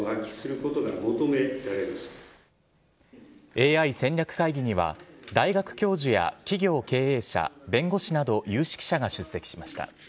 ＡＩ戦略会議には大学教授や企業経営者弁護士など有識者が出席しました。